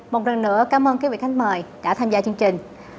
một lần nữa cảm ơn các vị khách mời đã tham gia chương trình